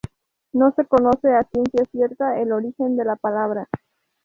No se conoce a ciencia cierta el origen de la palabra.